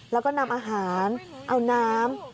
แล้วก็นำอาหารเอาน้ำ